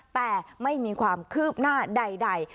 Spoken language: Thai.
แต่ไม่มีความคืบหน้าใด